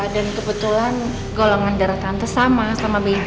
dan kebetulan golongan darah tante sama sama baby